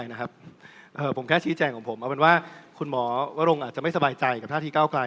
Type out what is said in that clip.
คุณพฤษพูดเฉพาะเกี่ยวกับเก้าไกล